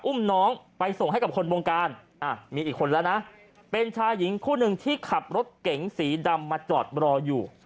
อุ้มน้องไปส่งให้กับคนวงการมีอีกคนแล้วนะเป็นชายหญิงคู่หนึ่งที่ขับรถเก๋งสีดำมาจอดรออยู่